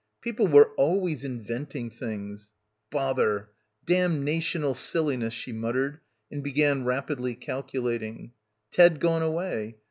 People were always inventing things. "Bother — damnational silliness," she muttered, and began rapidly calculating. Ted gone away.